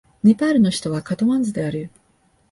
ネパールの首都はカトマンズである